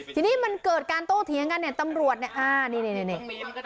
ทีนี้มันเกิดการโต้เถียงกันเนี่ยตำรวจเนี่ยอ่านี่นี่